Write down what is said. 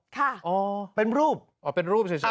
ค่ะอ๋อเป็นรูปอ๋อเป็นรูปเฉย